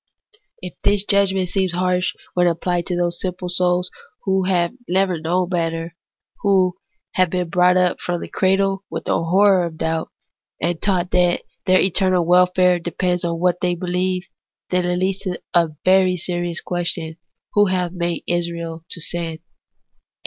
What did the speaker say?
If this judgment seems harsh when apphed to those simple souls who have never known better, who have been brought up from the cradle with a horror of doubt, and taught that their eternal welfare depends on what they believe, then it leads to the very serious question, Who hath made Israel to sin